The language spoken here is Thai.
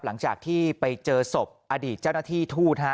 หลังจากที่ไปเจอศพอดีตเจ้าหน้าที่ทูต